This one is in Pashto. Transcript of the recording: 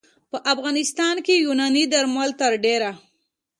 په افغانستان کې یوناني درمل تر ډېره